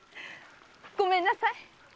ごめんなさい。